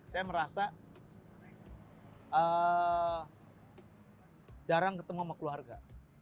saya merasa jarang ketemu sama keluarga